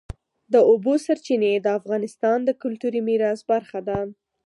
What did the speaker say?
د اوبو سرچینې د افغانستان د کلتوري میراث برخه ده.